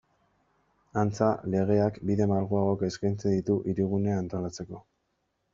Antza, legeak bide malguagoak eskaintzen ditu Hirigunea antolatzeko.